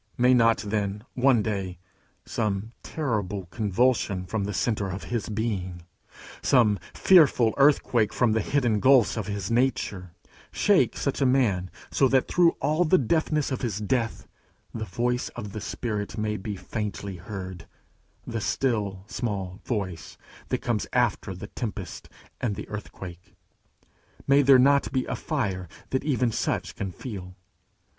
May not then one day some terrible convulsion from the centre of his being, some fearful earthquake from the hidden gulfs of his nature, shake such a man so that through all the deafness of his death, the voice of the Spirit may be faintly heard, the still small voice that comes after the tempest and the earthquake? May there not be a fire that even such can feel?